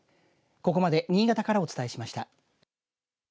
ここまで新潟からお伝えしました。